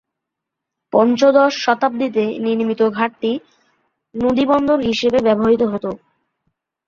পঞ্চদশ শতাব্দীতে নির্মিত ঘাটটি নদী বন্দর হিসেবে ব্যবহৃত হত।